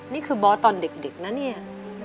นี่คือบอสตอนเด็กนะเนี่ย